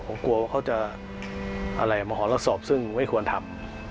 ผมกลัวว่าเขาจะมาหอลักษอบซึ่งไม่ควรทำ